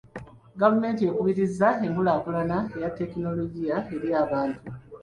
Gavumenti ekubirizza enkulaakulana eya tekinologiya eri abantu.